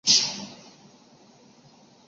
可以贴在手机壳后面